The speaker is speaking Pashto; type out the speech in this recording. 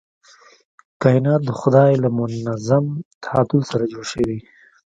کائنات د خدای له منظم تعادل سره جوړ شوي.